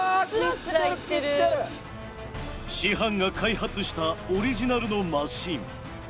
師範が開発したオリジナルのマシン。